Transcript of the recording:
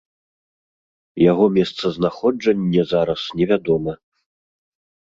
Яго месцазнаходжанне зараз невядома.